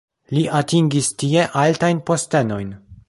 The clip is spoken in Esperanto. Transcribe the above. Li atingis tie altajn postenojn.